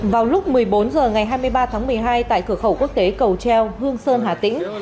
vào lúc một mươi bốn h ngày hai mươi ba tháng một mươi hai tại cửa khẩu quốc tế cầu treo hương sơn hà tĩnh